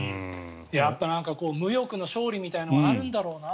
無欲の勝利みたいなのがあるんだろうな。